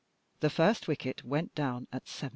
The first wicket went down at 70.